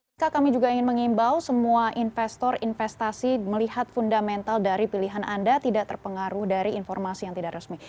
eka kami juga ingin mengimbau semua investor investasi melihat fundamental dari pilihan anda tidak terpengaruh dari informasi yang tidak resmi